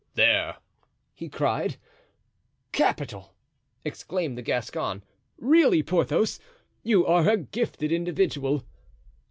"There!" he cried. "Capital!" exclaimed the Gascon. "Really, Porthos, you are a gifted individual!"